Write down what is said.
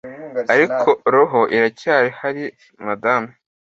Ariko roho iracyahari Madame